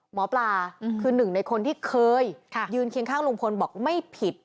หมอปลาคือหนึ่งในคนที่เคยยืนเคียงข้างลุงพลบอกไม่ผิด